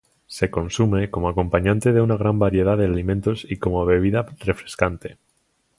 Se consume como acompañante de una gran variedad de alimentos y como bebida refrescante.